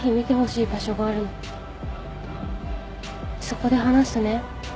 そこで話すね